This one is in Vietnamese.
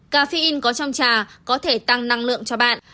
cà phê in có trong trà có thể tăng năng lượng cho bạn